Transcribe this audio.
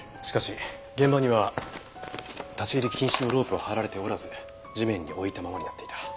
しかし現場には立ち入り禁止のロープは張られておらず地面に置いたままになっていた。